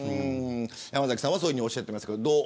山崎さんはそうおっしゃっていますけど。